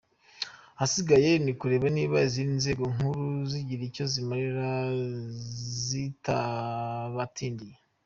Ahasigaye ni ukureba niba izindi nzego nkuru zigira icyo zibamarira zitabatindiye.